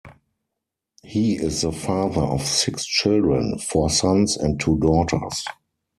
He is the father of six children; four sons and two daughters.